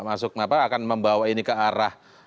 masuk akan membawa ini ke arah